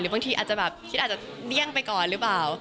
หรือบางทีคิดอาจจะเลี่ยงไปก่อนหรือเปล่า